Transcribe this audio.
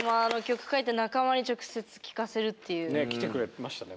すてき！ねえ来てくれてましたね。